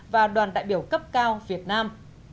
và đoàn đại biểu cấp cao việt nam